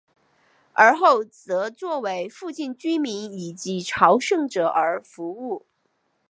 尔后则作为附近居民以及朝圣者而服务。